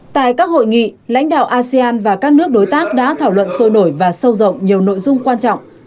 tại các hội nghị lãnh đạo asean và các nước đối tác đã thảo luận sôi nổi và sâu rộng nhiều nội dung quan trọng